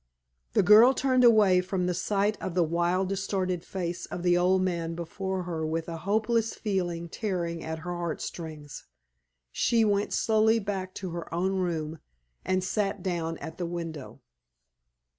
The girl turned away from the sight of the wild, distorted face of the old man before her with a hopeless feeling tearing at her heart strings. She went slowly back to her own room and sat down at the window.